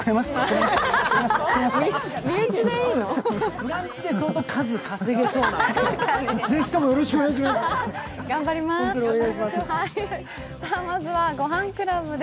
「ブランチ」で相当数稼げそうなんで。